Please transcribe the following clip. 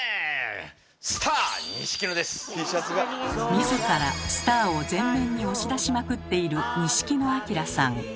自らスターを前面に押し出しまくっている錦野旦さん。